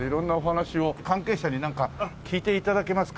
関係者になんか聞いて頂けますか？